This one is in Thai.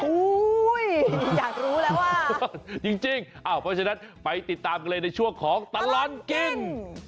อยากรู้แล้วว่าจริงเพราะฉะนั้นไปติดตามกันเลยในช่วงของตลอดกิน